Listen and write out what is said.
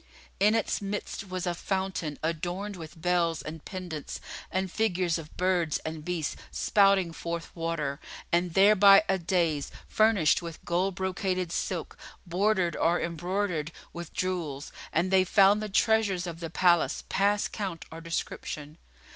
In its midst was a fountain adorned with bells and pendants and figures of birds and beasts spouting forth water, and thereby a daïs[FN#43] furnished with gold brocaded silk, bordered or embroidered with jewels: and they found the treasures of the palace past count or description.